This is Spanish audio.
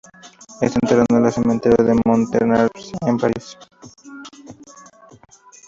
Está enterrado en el cementerio de Montparnasse, en París.